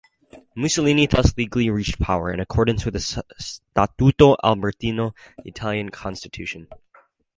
Mussolini thus legally reached power, in accordance with the Statuto Albertino, the Italian Constitution.